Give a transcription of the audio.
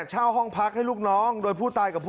ใช่ครับ